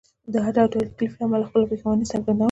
د هر ډول تکلیف له امله خپله پښیماني څرګندوم.